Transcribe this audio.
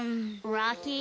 ロッキー。